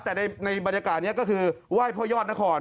แต่ในบรรยากาศนี้ก็คือไหว้พ่อยอดนคร